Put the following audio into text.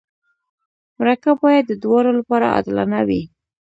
مرکه باید د دواړو لپاره عادلانه وي.